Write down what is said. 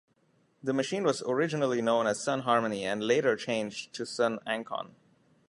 The machine was originally known as Sun Harmony and later changed to Sun Ancon.